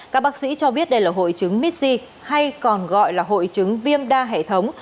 các bác sĩ cho biết đây là hội chứng missi hay còn gọi là hội chứng viêm đa hệ thống